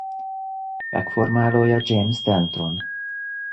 Megformálója James Denton.